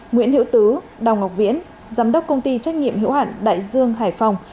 nguyễn hiểu tứ đào ngọc viễn giám đốc công ty trách nhiệm hiếu hạn đại dương hải phòng